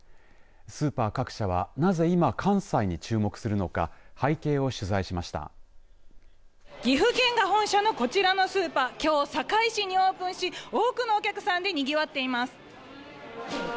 スーパー各社はなぜ今、関西に注目するのか岐阜県が本社のこちらのスーパーきょう堺市にオープンし多くのお客さんでにぎわっています。